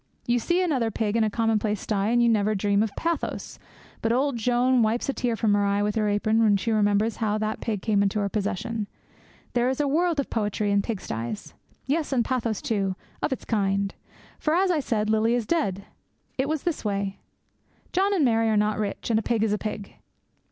You see another pig in a commonplace sty, and you never dream of pathos; but old Joan wipes a tear from her eye with her apron when she remembers how that pig came into her possession. There is a world of poetry in pig sties. Yes, and pathos, too, of its kind. For, as I said, Lily is dead. It was this way. John and Mary are not rich; and a pig is a pig.